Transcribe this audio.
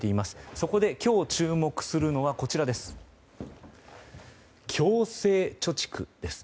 そこで今日、注目するのは強制貯蓄です。